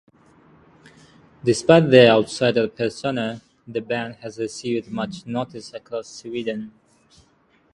Despite their outsider-persona, the band has received much notice across Sweden.